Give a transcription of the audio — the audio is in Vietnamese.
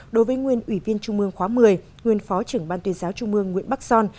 đối với nguyên ủy viên trung mương khóa một mươi nguyên phó trưởng ban tuyên giáo trung mương nguyễn bắc son